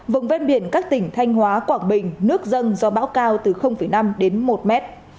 vùng ven biển các tỉnh thanh hóa quảng bình nước dâng do bão cao từ năm đến một mét